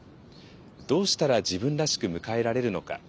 どうしたら自分らしく迎えられるのか。